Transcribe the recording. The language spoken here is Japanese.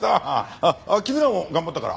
あっ君らも頑張ったから。